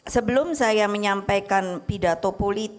sebelum saya menyampaikan pidato politik